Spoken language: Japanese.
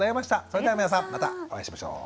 それでは皆さんまたお会いしましょう。